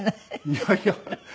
いやいや。